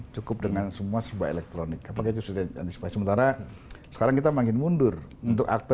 cukup dengan semua sebaik elektronik pakai justru dan sementara sekarang kita makin mundur untuk akte